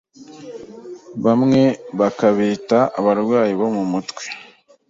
bamwe bakabita abarwayi bo mu mutwe,